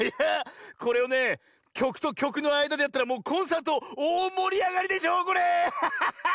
これをねきょくときょくのあいだでやったらもうコンサートおおもりあがりでしょうこれ。